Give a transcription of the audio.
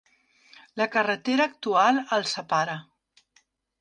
La carretera actual els separa.